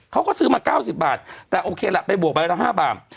เขาก็ซื้อมาเก้าสิบบาทแต่โอเคละไปบวกไปละห้าบาท